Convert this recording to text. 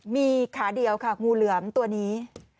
มีขาเดียวค่ะงูเหลือมตัวนี้